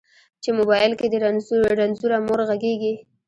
چې موبایل کې دې رنځوره مور غږیږي